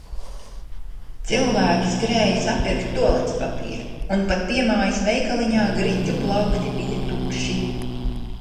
Cilvēki skrēja sapirkt tualetes papīru, un pat piemājas veikaliņā griķu plaukti bija tukši.